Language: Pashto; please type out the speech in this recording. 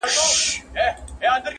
زه ولاړ یم پر ساحل باندي زنګېږم-